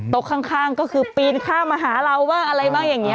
ข้างก็คือปีนข้ามมาหาเราบ้างอะไรบ้างอย่างนี้